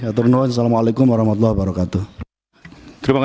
ya tuhan assalamu alaikum warahmatullahi wabarakatuh